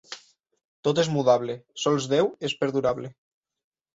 Tot és mudable: sols Déu és perdurable.